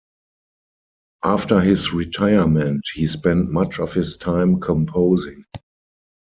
After his retirement, he spent much of his time composing.